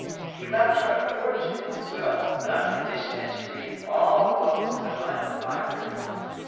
He left her a fortune in his will, but on condition that she read all the books in the London Library.